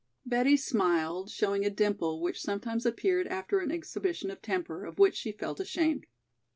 Betty smiled, showing a dimple which sometimes appeared after an exhibition of temper of which she felt ashamed.